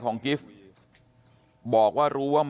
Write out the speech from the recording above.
ตรของหอพักที่อยู่ในเหตุการณ์เมื่อวานนี้ตอนค่ำบอกให้ช่วยเรียกตำรวจให้หน่อย